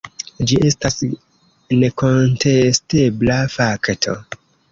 Ĝi estas nekontestebla fakto.